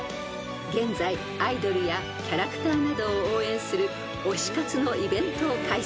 ［現在アイドルやキャラクターなどを応援する推し活のイベントを開催］